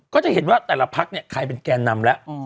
ก็จะเห็นว่าแต่ละพักเนี่ยใครเป็นแกนนำแล้ว